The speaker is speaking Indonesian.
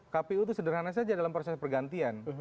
kpu itu sederhana saja dalam proses pergantian